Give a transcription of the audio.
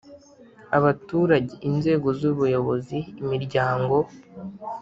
Abaturage inzego z ubuyobozi imiryango